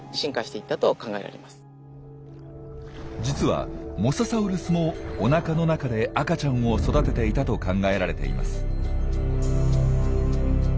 実はモササウルスもおなかの中で赤ちゃんを育てていたと考えられています。